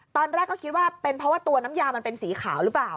ตอนแรกก็คิดว่าเป็นเพราะว่าตัวน้ำยามันเป็นสีขาวหรือเปล่า